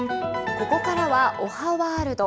ここからはおはワールド。